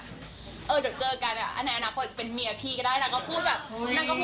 เดี๋ยวเจอกันอะในอนาคตจะเป็นเมียพี่ก็ได้นักก็พูดคำคำ